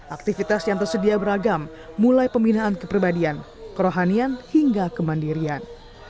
aktivitas yang tersedia beragam mulai pembinaan kepribadian kerohanian hingga kemandirian